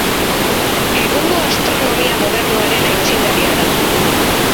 Egungo astronomia modernoaren aitzindaria da.